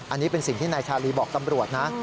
อันนี้เป็นสิ่งที่นายชาลีบอกตำรวจนะ